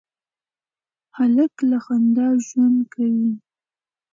هلک له خندا ژوند کوي.